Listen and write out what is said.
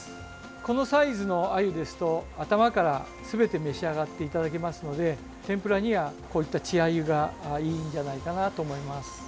このサイズのアユですと頭からすべて召し上がっていただけますので天ぷらには、こういった稚アユがいいんじゃないかなと思います。